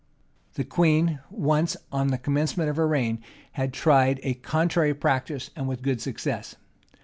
The queen once, on the commencement of her reign, had tried a contrary practice, and with good success.